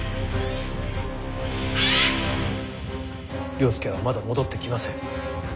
了助はまだ戻ってきません。